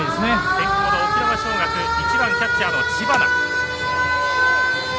先攻の沖縄尚学１番、キャッチャーの知花。